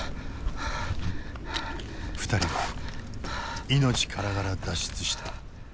２人は命からがら脱出した。